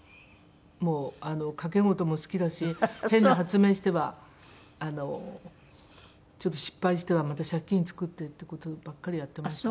もう賭け事も好きだし変な発明してはちょっと失敗してはまた借金作ってって事ばっかりやってましたよ。